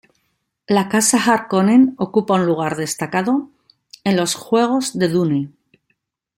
La Casa Harkonnen ocupa un lugar destacado en los juegos de Dune.